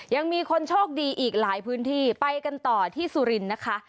ยังมีคนโชคดีอีกหลายพื้นที่ไปกันต่อที่สุรินทร์นะคะ